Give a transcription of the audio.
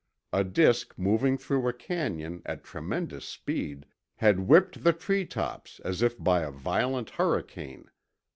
A disk moving through a canyon at tremendous speed had whipped the treetops as if by a violent hurricane.